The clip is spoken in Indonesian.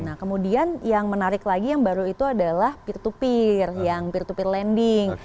nah kemudian yang menarik lagi yang baru itu adalah peer to peer yang peer to peer lending